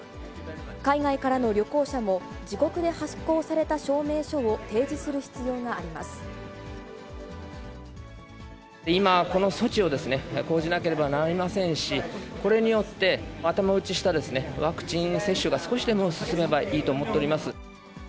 海外からの旅行者も、自国で発行された証明書を提示する必要があ今、この措置を講じなければなりませんし、これによって、頭打ちしたワクチン接種が少しでも進めばいいと思っております。